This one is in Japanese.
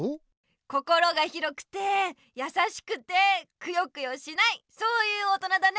心が広くてやさしくてくよくよしないそういう大人だね。